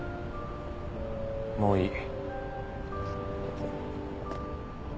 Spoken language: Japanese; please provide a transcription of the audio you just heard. もういい。